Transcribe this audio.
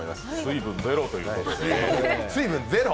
水分ゼロということで。